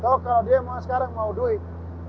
kalau dia sekarang mau duit